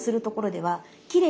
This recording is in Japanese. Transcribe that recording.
はい。